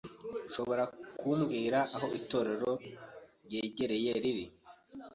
Ushobora kumbwira aho itorero ryegereye riri?